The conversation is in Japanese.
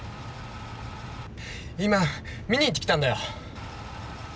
今見に行って来たんだよ。